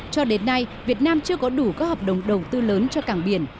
cho đến nay việt nam chưa có đủ các hợp đồng đầu tư lớn cho cảng biển